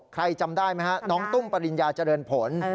จำได้ไหมฮะน้องตุ้มปริญญาเจริญผล